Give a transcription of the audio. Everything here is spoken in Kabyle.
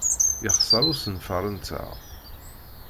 Yexṣer usenfar-nteɣ.